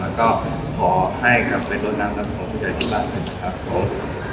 แล้วก็ขอให้กลับไปลดน้ำกับผมด้วยที่บ้านหนึ่งนะครับผม